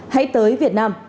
hãy tới việt nam